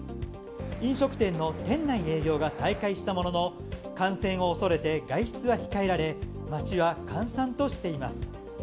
飲食店の店内営業が再開したものの感染を恐れて外出は控えられ街は閑散としています。